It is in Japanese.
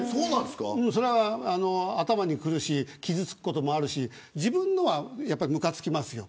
それは頭にくるし傷つくこともあるし自分のは、むかつきますよ。